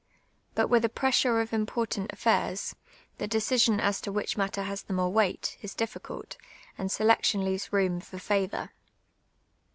But with a pressure of important aftairs, the decision as to which matter has the more weight, is difficult, and selection leaves room for favour.